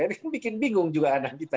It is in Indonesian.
ini kan bikin bingung juga anak kita